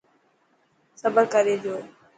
صبر ڪري جو.